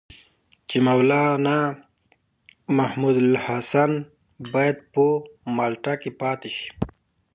چې مولنا محمودالحسن باید په مالټا کې پاتې شي.